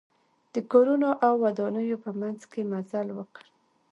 د کورونو او ودانیو په منځ کې مزل وکړ.